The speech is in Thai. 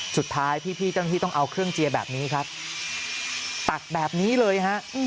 สุดท้ายพี่เจ้าหน้าที่ต้องเอาเครื่องเจียร์แบบนี้ครับตัดแบบนี้เลยฮะ